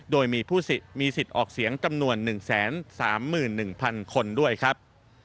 โดยมีผู้มีสิทธิ์ออกเสียงจำนวน๑๓๑๐๐๐คนด้วยครับ